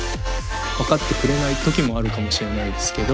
分かってくれない時もあるかもしれないですけど。